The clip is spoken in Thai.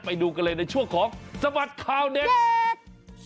ไปดูกันเลยในช่วงของสบัดข่าวเด็ด